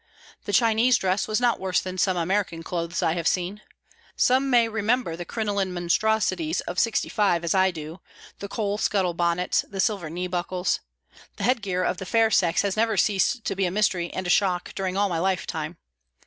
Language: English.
The Chinese dress was not worse than some American clothes I have seen. Some may remember the crinoline monstrosities of '65, as I do the coal scuttle bonnets, the silver knee buckles! The headgear of the fair sex has never ceased to be a mystery and a shock during all my lifetime.